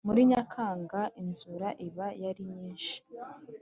muri nyakanga inzura iba ari nyinshi